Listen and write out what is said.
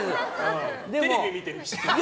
テレビ見てる岸君。